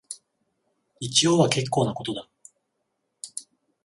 一応は結構なことだ